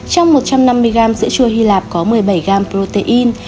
trong một trăm năm mươi g sữa chua hy lạc có một mươi bảy g protein